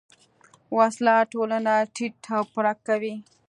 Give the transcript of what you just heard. وسله ټولنه تیت و پرک کوي